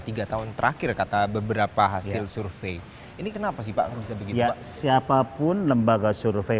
tiga tahun terakhir kata beberapa hasil survei ini kenapa sih pak bisa begitu siapapun lembaga survei